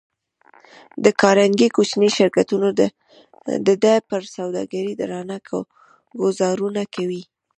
د کارنګي کوچني شرکتونه د ده پر سوداګرۍ درانه ګوزارونه کوي.